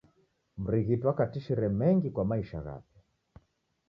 Mrighiti wakatishire mengi kwa maisha ghape.